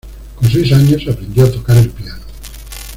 Con seis años aprendió a tocar el piano.